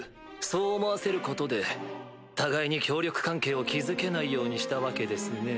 そう思わせることで互いに協力関係を築けないようにしたわけですね。